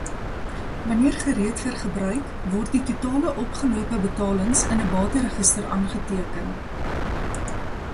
Wanneer gereed vir gebruik, word die totale opgelope betalings in 'n bateregister aangeteken.